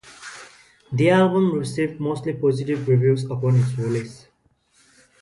The album received mostly positive reviews upon its release.